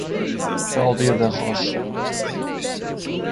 Cláudia da Rocha